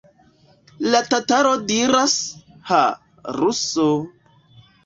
La tataro diras: Ha, ruso!